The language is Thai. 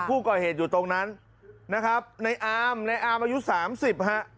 ผู้ก่อเหตุอยู่ตรงนั้นนะครับในอามในอามอายุสามสิบฮะ